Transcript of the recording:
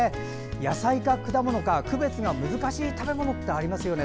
野菜か果物か区別が難しい食べ物ってありますよね。